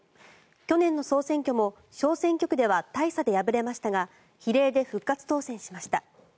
去年の総選挙も小選挙区では大差で敗れましたが比例で復活当選しました。